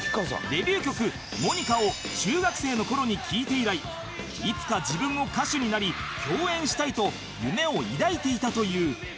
デビュー曲『モニカ』を中学生の頃に聴いて以来いつか自分も歌手になり共演したいと夢を抱いていたという